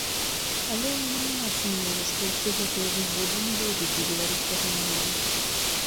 Але ў мяне няма сумневу, што ўсе гэтыя выгоды не дойдуць да беларускага народа.